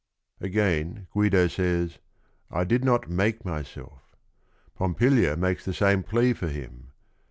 Again Guido says, "I did not make myself." Pompilia makes the same plea for him.